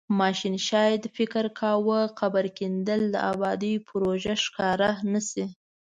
ماشین شاید فکر کاوه قبر کیندل د ابادۍ پروژه ښکاره نشي.